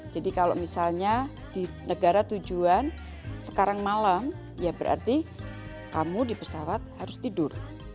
jadi kalau misalnya di negara tujuan sekarang malam ya berarti kamu di pesawat harus tidur